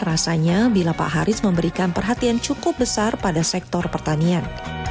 rasanya bila pak haris memberikan perhatian cukup besar pada sektor pertanian